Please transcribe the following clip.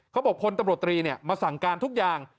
พลตำรวจตรีมาสั่งการทุกอย่าง